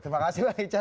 terima kasih bang ican